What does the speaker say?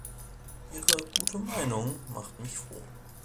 Ihre gute Meinung macht mich froh.